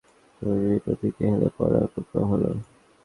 বিপদে আক্রান্ত হয়ে আমাদের জমিন বিভিন্ন দিকে হেলে পড়ার উপক্রম হল।